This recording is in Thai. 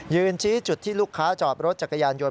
ชี้จุดที่ลูกค้าจอดรถจักรยานยนต